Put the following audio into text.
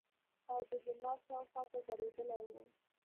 او د جومات شاوخواته درېدلي وو.